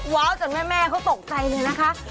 ว้าวจนแม่เขาตกใจเลยนะคะ